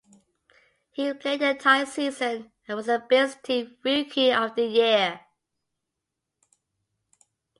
He played the entire season and was the Bills' team rookie-of-the-year.